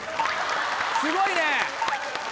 すごいね！